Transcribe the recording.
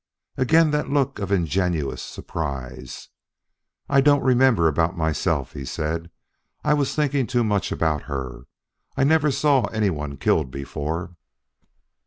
Again that look of ingenuous surprise. "I don't remember about myself," he said. "I was thinking too much about her. I never saw anyone killed before."